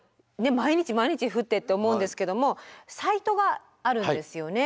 毎日毎日降ってって思うんですけどもサイトがあるんですよね。